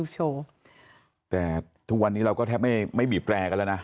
แล้วเรามันไม่บีบแตกแล้วนะ